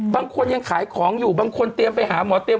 บางคนยังขายของอยู่บางคนเตรียมไปหาหมอเตรียม